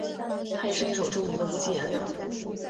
它也是一种著名的无机颜料。